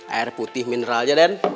air putih mineralnya den